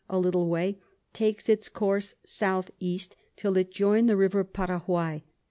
a little way, takes its Course S E. till it join the River Paraguay.